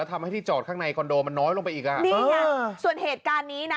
ทำให้ที่จอดข้างในคอนโดมันน้อยลงไปอีกอ่ะนี่ไงส่วนเหตุการณ์นี้นะ